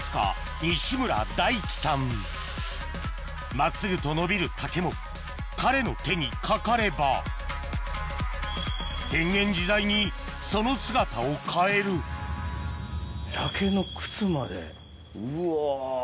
真っすぐと伸びる竹も彼の手にかかれば変幻自在にその姿を変えるうわ。